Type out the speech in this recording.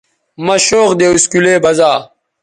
مہ شوق دے اسکولے بزا